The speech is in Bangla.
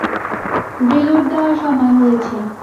রিলোড দেয়ার সময় হয়েছে।